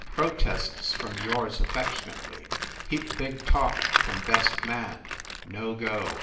Protests from Yours Affectionately, heap big talk from best man. No go.